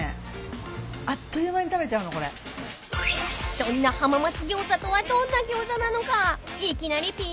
［そんな浜松餃子とはどんなギョーザなのか］